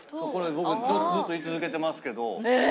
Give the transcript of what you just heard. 僕ずっと言い続けてますけど。